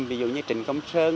ví dụ như trình cống sơn